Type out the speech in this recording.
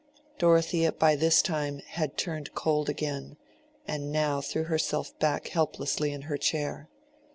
Dorothea by this time had turned cold again, and now threw herself back helplessly in her chair.